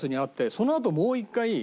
そのあともう一回今度